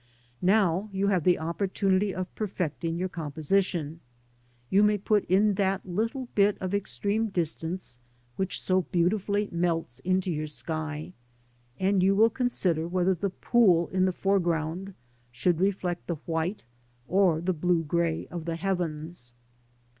Now you have the opportunity of perfecting your composition. You may put in that little bit of extreme distance which so beautifully melts into your sky, and you will consider whether the pool in the foreground should reflect the white or the grey blue of the heavens.